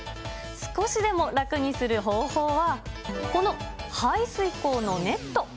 少しでも楽にする方法は、この排水口のネット。